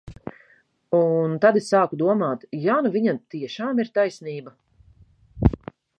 Un tad es sāku domāt, ja nu viņam tiešām ir taisnība?